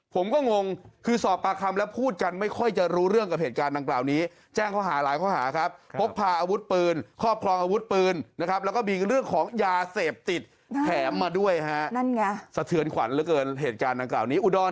ผมก็งงคือสอบปากคำจะพูดกันไม่ค่อยจะรู้เรื่องกับเหตุการณ์ประ